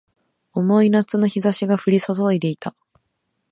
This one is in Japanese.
重い夏の日差しが降り注いでいた